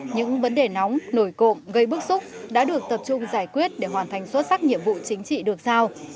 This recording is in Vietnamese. những vấn đề nóng nổi cộng gây bức xúc đã được tập trung giải quyết để hoàn thành xuất sắc nhiệm vụ chính trị được giao